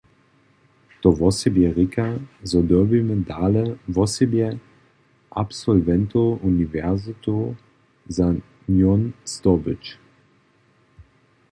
To wosebje rěka, zo dyrbimy dale wosebje absolwentow uniwersitow za njón zdobyć.